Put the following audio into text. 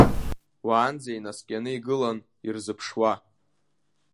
Уаанӡа инаскьаны игылан ирзыԥшуа.